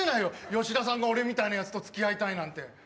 吉田さんが俺みたいなやつとつきあいたいなんて。